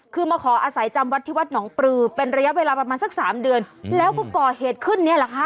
คือมาขออาศัยจำวัดที่วัดหนองปลือเป็นระยะเวลาประมาณสักสามเดือนแล้วก็ก่อเหตุขึ้นเนี่ยแหละค่ะ